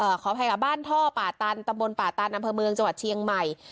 ขออภัยค่ะบ้านท่อป่าตันตำบลป่าตันอำเภอเมืองจังหวัดเชียงใหม่